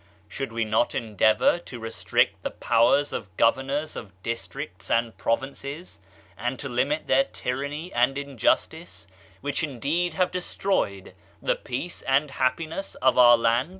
Should we not endeavor to restrict the powers of governors of districts and provinces, and to limit their tyranny and injustice, which indeed have destroyed the peace and happiness of our land?